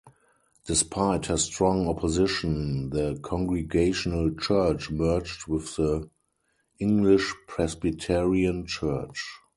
Despite her strong opposition the Congregational Church merged with the English Presbyterian Church.